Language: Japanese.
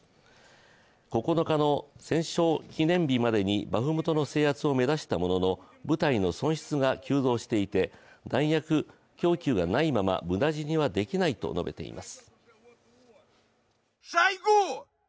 ９日の戦勝記念日までにバフムトの制圧を目指したものの部隊の損失が急増していて弾薬供給がないまま無駄死にはできないと述べています。